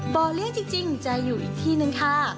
เลี้ยงจริงจะอยู่อีกที่นึงค่ะ